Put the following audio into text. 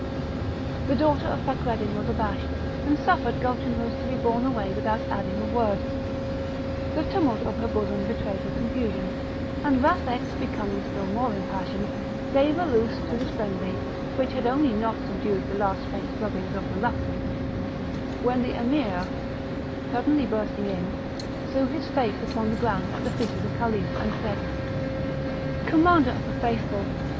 The daughter of Fakreddin was abashed, and suffered Gulchenrouz to be borne away without adding a word. The tumult of her bosom betrayed her confusion; and Vathek, becoming still more impassioned, gave a loose to his frenzy, which had only not subdued the last faint strugglings of reluctance, when the Emir, suddenly bursting in, threw his face upon the ground at the feet of the Caliph, and said: "Commander of the Faithful!